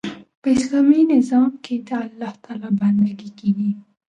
په اسلامي نظام کښي د الله تعالی بندګي کیږي.